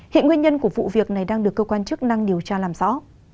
hiện nguyên nhân của vụ việc này đang được cơ quan chức năng điều tra làm rõ